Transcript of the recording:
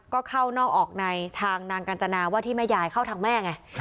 ก็เข้านอกออกในทางนางกัญจนาว่าที่แม่ยายเข้าทางแม่ไง